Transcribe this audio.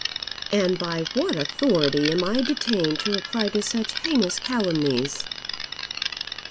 'And by what authority am I detained to reply to such heinous calumnies?'